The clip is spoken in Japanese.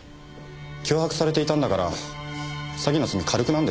脅迫されていたんだから詐欺の罪軽くなるんでしょ？